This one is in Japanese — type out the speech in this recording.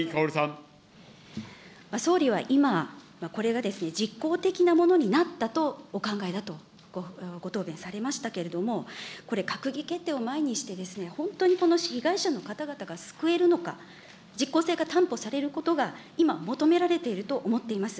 総理は今、これが実効的なものになったとお考えだと、ご答弁されましたけれども、これ、閣議決定を前にして、本当にこの被害者の方々が救えるのか、実効性が担保されることが今求められていると思っています。